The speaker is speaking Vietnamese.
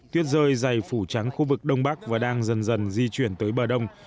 tuyết rơi dày phủ trắng khu vực đông bắc và đang dần dần di chuyển tới bờ đông